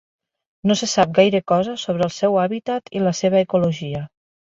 No se sap gaire cosa sobre el seu hàbitat i la seva ecologia.